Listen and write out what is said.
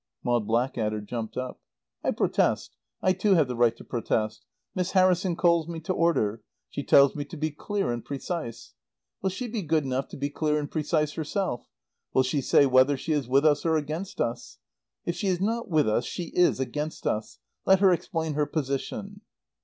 Maud Blackadder jumped up. "I protest. I, too, have the right to protest. Miss Harrison calls me to order. She tells me to be clear and precise. Will she be good enough to be clear and precise herself? Will she say whether she is with us or against us? If she is not with us she is against us. Let her explain her position."